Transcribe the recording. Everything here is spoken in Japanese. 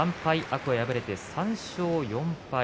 天空海、敗れて３勝４敗。